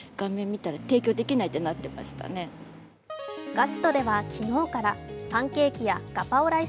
ガストでは昨日からパンケーキやガパオライス